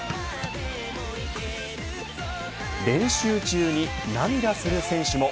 練習中に涙する選手も。